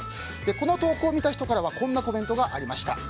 この投稿を見た人からはこんなコメントがありました。